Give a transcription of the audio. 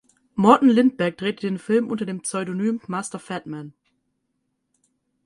Morten Lindberg drehte den Film unter dem Pseudonym "Master Fatman".